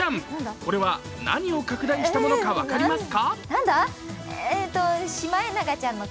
これは何を拡大したものか分かりますか？